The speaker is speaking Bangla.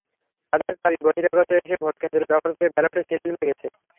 তাঁদের দাবি, বহিরাগতরা এসে ভোটকেন্দ্র দখল করে ব্যালটে সিল মেরে গেছে।